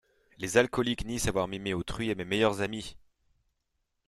Les alcooliques nient savoir mimer autrui à mes meilleurs amis!